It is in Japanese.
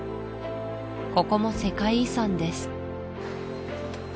ここも世界遺産です